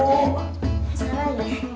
eh salah ya